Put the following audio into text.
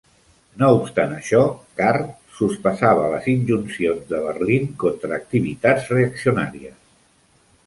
No obstant això, Kahr sospesava les injuncions de Berlín contra activitats reaccionàries.